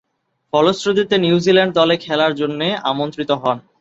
ফলশ্রুতিতে, নিউজিল্যান্ড দলে খেলার জন্যে আমন্ত্রিত হন।